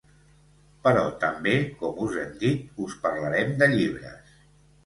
Però també, com us hem dit, us parlarem de llibres.